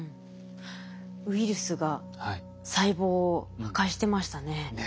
ウイルスが細胞を破壊してましたね。